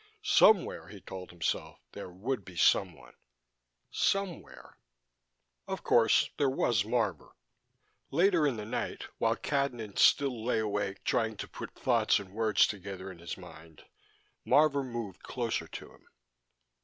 Somewhere, he told himself, there would be someone.... Somewhere.... Of course, there was Marvor. Later in the night, while Cadnan still lay awake trying to put thoughts and words together in his mind, Marvor moved closer to him.